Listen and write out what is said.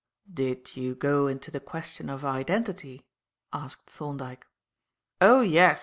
"Did you go into the question of identity?" asked Thorndyke. "Oh, yes.